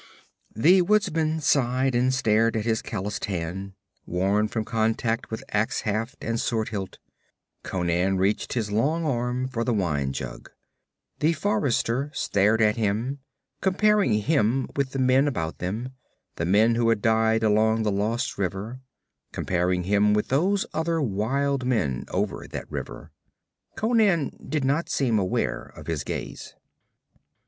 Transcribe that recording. The woodsman sighed and stared at his calloused hand, worn from contact with ax haft and sword hilt. Conan reached his long arm for the wine jug. The forester stared at him, comparing him with the men about them, the men who had died along the lost river, comparing him with those other wild men over that river. Conan did not seem aware of his gaze.